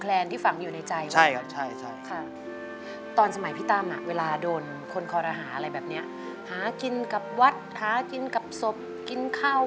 คนธีรณาศจะมีเงิน